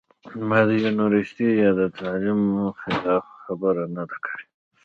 ما د يونيورسټۍ يا د تعليم خلاف خبره نۀ ده کړې